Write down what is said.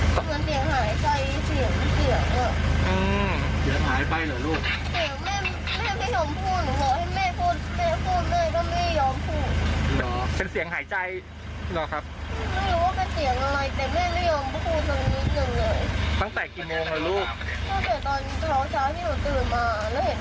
ไม่เชื่อมือแต่เราตอนเช้าเช้าที่หนูตื่นมา